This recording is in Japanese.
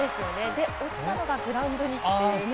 で、落ちたのがグラウンドにということでね。